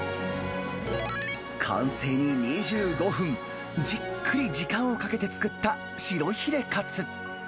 完成に２５分、じっくり時間をかけて作った白ヒレかつ。